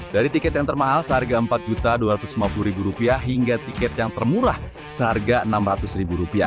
dari tiket yang termahal seharga rp empat dua ratus lima puluh hingga tiket yang termurah seharga rp enam ratus